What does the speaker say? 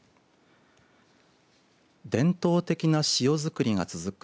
伝統的な塩作りが続く